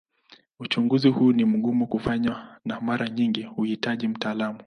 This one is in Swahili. Uchunguzi huu ni mgumu kufanywa na mara nyingi huhitaji mtaalamu.